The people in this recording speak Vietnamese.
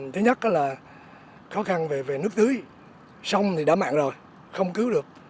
thứ nhất là khó khăn về nước tưới sông thì đã mặn rồi không cứu được